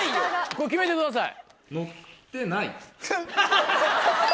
これ決めてください。